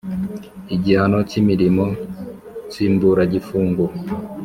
igihano cy imirimo nsimburagifungo